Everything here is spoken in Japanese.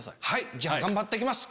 じゃあ頑張って行きます。